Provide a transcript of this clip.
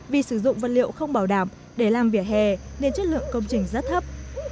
vì sử dụng vật liệu không bảo đảm để làm vỉa hè nên chất lượng công trình rất thấp